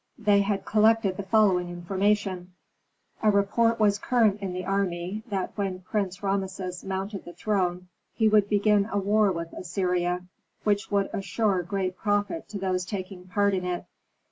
They had collected the following information: A report was current in the army, that when Prince Rameses mounted the throne, he would begin a war with Assyria, which would assure great profit to those taking part in it.